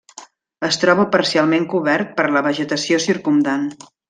Es troba parcialment cobert per la vegetació circumdant.